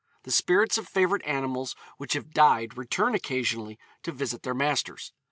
The spirits of favourite animals which have died return occasionally to visit their masters.